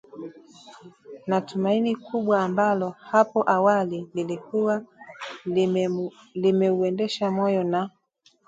na tumaini kubwa ambalo hapo awali lilikuwa limeuendesha moyo na